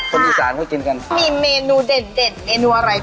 ประสบการณ์นี้เราไม่มีเลยครับ